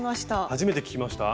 初めて聞きました？